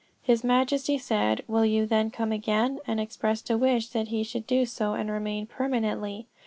His Majesty said, "Will you then come again?" and expressed a wish that he should do so and remain permanently.